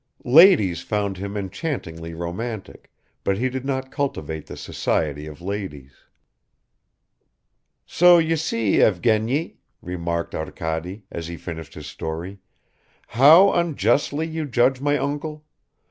Ladies found him enchantingly romantic, but he did not cultivate the society of ladies ... "So you see, Evgeny," remarked Arkady, as he finished his story, "how unjustly you judge my uncle.